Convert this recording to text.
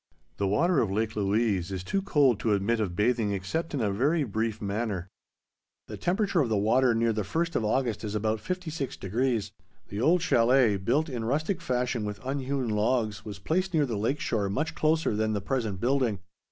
The water of Lake Louise is too cold to admit of bathing except in a very brief manner. The temperature of the water near the first of August is about 56°. The old chalet, built in rustic fashion with unhewn logs, was placed near the lake shore much closer than the present building.